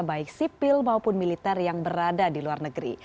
baik sipil maupun militer yang berada di luar negeri